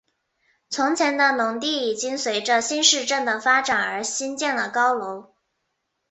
从前的农地已经随着新市镇的发展而兴建了高楼。